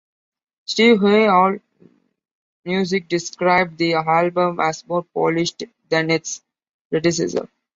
Steve Huey of Allmusic described the album as "more polished" than its predecessor.